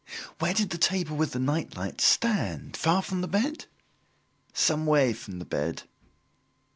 "Where did the table with the night light stand, far from the bed?" "Some way from the bed."